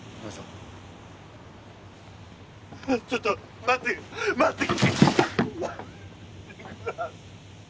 ちょっと待って待って。